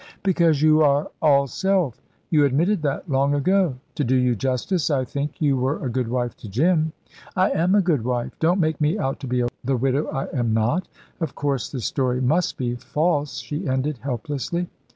"Because you are all self you admitted that long ago. To do you justice, I think you were a good wife to Jim." "I am a good wife. Don't make me out to be the widow I am not. Of course, this story must be false," she ended, helplessly.